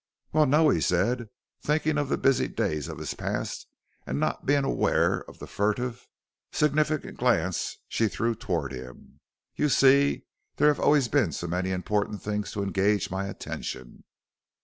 "Well, no," he said, thinking of the busy days of his past, and not being aware of the furtive, significant glance she threw toward him. "You see, there have always been so many important things to engage my attention."